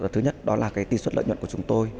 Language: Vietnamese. thứ nhất đó là tỷ suất lợi nhuận của chúng tôi